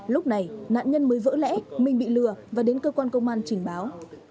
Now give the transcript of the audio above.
lúc này nạn nhân mới vỡ lẽ mình bị lừa và đến cơ quan công an trình báo